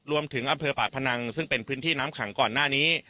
อำเภอปากพนังซึ่งเป็นพื้นที่น้ำขังก่อนหน้านี้